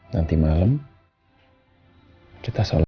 nanti malam kita sholat